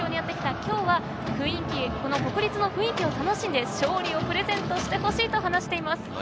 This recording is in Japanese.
今日は国立の雰囲気を楽しんで勝利をプレゼントしてほしいと話しています。